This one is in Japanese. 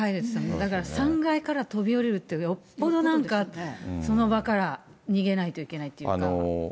だから３階から飛び降りるって、よっぽどなんか、その場から逃げないといけないというか。